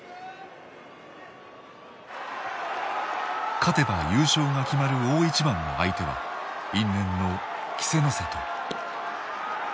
勝てば優勝が決まる大一番の相手は因縁の稀勢の里。